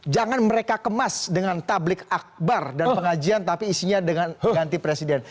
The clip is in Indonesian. jangan mereka kemas dengan tablik akbar dan pengajian tapi isinya dengan ganti presiden